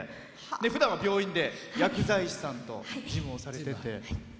ふだんは病院で薬剤師さんと事務をされていて。